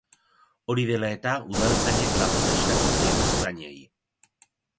Hori dela eta, udaltzainek laguntza eskatu zien ertzainei.